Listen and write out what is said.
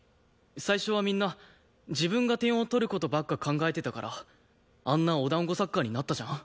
最初はみんな自分が点を取る事ばっか考えてたからあんなお団子サッカーになったじゃん？